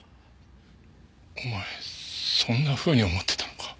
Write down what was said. お前そんなふうに思ってたのか。